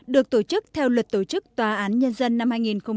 được tổ chức theo luật tổ chức tòa án nhân dân năm hai nghìn một mươi ba